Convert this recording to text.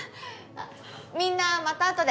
あっみんなまたあとで。